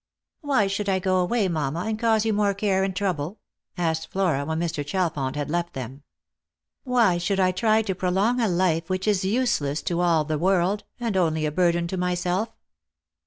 " Why should I go away, mamma, and cause you more care and trouble ?" asked Flora, when Mr. Chalfont had left them. " Why should I try to prolong a life which is useless to all the world and only a burden to myself?